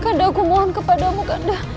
kanda aku mohon kepadamu kanda